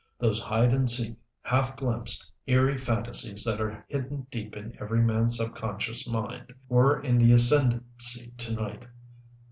Those hide and seek, half glimpsed, eerie phantasies that are hidden deep in every man's subconscious mind were in the ascendancy to night.